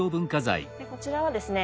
こちらはですね